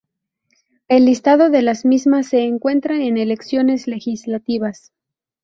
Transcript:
El listado de las mismas se encuentra en elecciones legislativas.